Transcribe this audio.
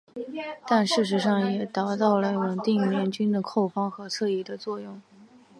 但事实上也达到稳定联军的后方和侧翼的作用。